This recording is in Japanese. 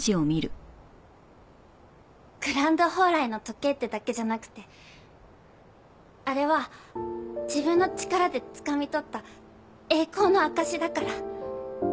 グランドホーライの時計ってだけじゃなくてあれは自分の力でつかみ取った栄光の証しだから。